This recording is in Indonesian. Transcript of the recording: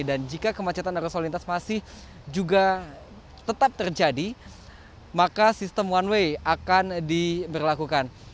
dan jika kemacetan arus solintas masih juga tetap terjadi maka sistem one way akan diberlakukan